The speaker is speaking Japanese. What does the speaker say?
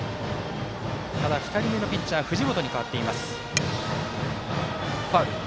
ただ、２人目のピッチャー藤本に代わっています。